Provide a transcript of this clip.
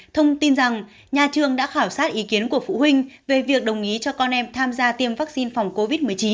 thông tin rằng nhà trường đã khảo sát ý kiến của phụ huynh về việc đồng ý cho con em tham gia tiêm vaccine phòng covid một mươi chín